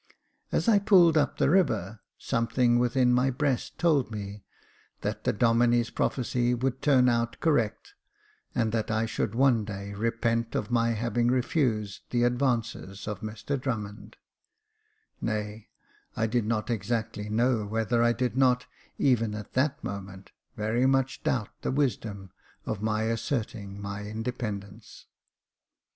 As I pulled up the river, something within my breast told me that the Domine's prophecy would turn out correct, and that I should one day repent of my having refused the advances of Mr Drummond — nay, I did not exactly know whether I did not, even at that moment, very much doubt the wisdom of my asserting my in dependence.